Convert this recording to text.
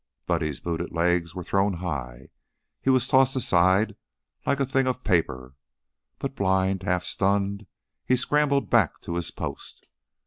Buddy's booted legs were thrown high, he was tossed aside like a thing of paper, but blind, half stunned, he scrambled back to his post.